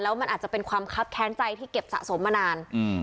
มันอาจจะเป็นความคับแค้นใจที่เก็บสะสมมานาน